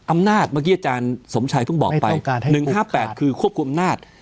อำนาจเมื่อกี้อาจารย์สมชัยเพิ่งบอกไป๑๕๘คือควบคุมอำนาจ